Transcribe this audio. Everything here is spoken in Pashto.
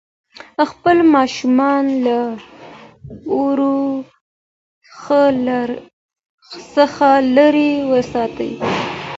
خپل ماشومان له اور څخه لرې وساتئ.